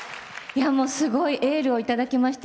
すごいエールをいただきました。